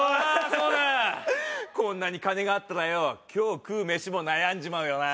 そうだこんなに金があったらよ今日食うメシも悩んじまうよな